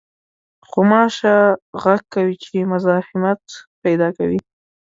غوماشه غږ کوي چې مزاحمت پېدا کوي.